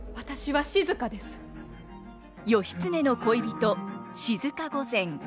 義経の恋人静御前。